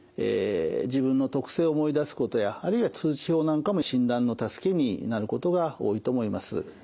自分の特性を思い出すことやあるいは通知表なんかも診断の助けになることが多いと思います。